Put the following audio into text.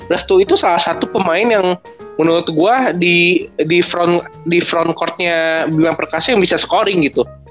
restu itu salah satu pemain yang menurut gue di front courtnya bima perkasi yang bisa scoring gitu